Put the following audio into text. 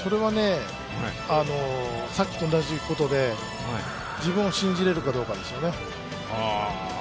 さっきと同じことで自分を信じれるかどうかですね。